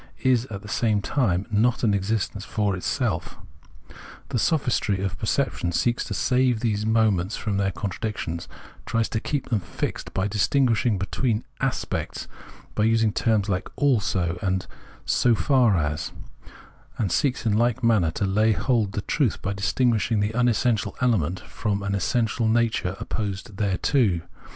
is, at the same time, not an existence for self. The Perception 121 Sophistry of perception seeks to save these moments from their contradiction, tries to keep them fixed by distinguishing between " aspects," by using terms hke " also " and " so far as," and seeks in hke manner to lay hold on the truth by distinguishing the unessential element from an essential nature opposed thereto.